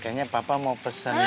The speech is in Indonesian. kayaknya papa mau pesen